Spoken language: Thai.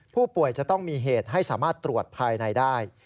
ผู้ป่วยจะต้องมีเหตุให้สามารถตรวจภายในได้